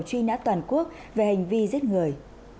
truy nã toàn quốc về hành vi giết người